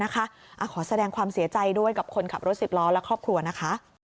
ขอแสดงความเสียใจด้วยกับคนขับรถ๑๐ล้อและครอบครัวนะคะ